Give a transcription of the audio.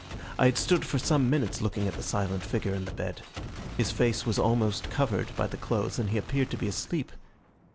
I had stood for some minutes looking at the silent figure in the bed. His face was almost covered by the clothes and he appeared to be asleep.